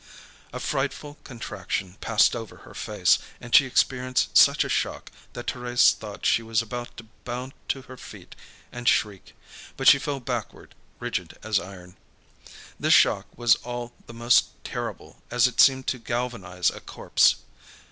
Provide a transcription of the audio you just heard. A frightful contraction passed over her face, and she experienced such a shock that Thérèse thought she was about to bound to her feet and shriek, but she fell backward, rigid as iron. This shock was all the more terrible as it seemed to galvanise a corpse.